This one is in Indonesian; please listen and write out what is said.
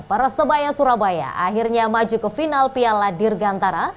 persebaya surabaya akhirnya maju ke final piala dirgantara